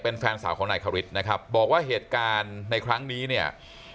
เป็นแฟนสาวของนายคริสนะครับบอกว่าเหตุการณ์ในครั้งนี้เนี่ย